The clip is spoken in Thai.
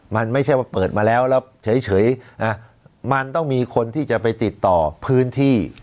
มันไม่ใช่ว่าเปิดมาแล้วแล้วเฉยมันต้องมีคนที่จะไปติดต่อพื้นที่